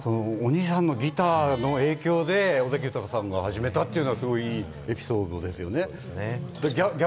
お兄さんのギターの影響で尾崎豊さんが始めたというのは、すごいエピソードですよね。